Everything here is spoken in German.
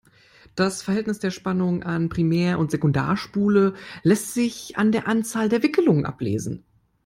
Das Verhältnis der Spannung an Primär- und Sekundärspule lässt sich an der Anzahl der Wicklungen ablesen.